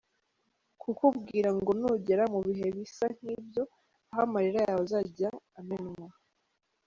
kukubwira ngo nugera mu bihe bisa nkibyo aho amarira yawe azajya amenywa.